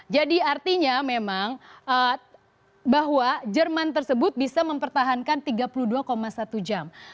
jadi artinya memang bahwa jerman tersebut bisa mempertahankan tiga puluh dua satu jam